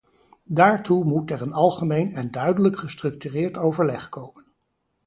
Daartoe moet er een algemeen en duidelijk gestructureerd overleg komen.